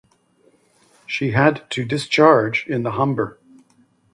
She had to discharge in the Humber.